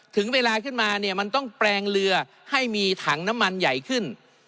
ถึงเวลาขึ้นมาเนี่ยมันต้องแปลงเรือให้มีถังน้ำมันใหญ่ขึ้น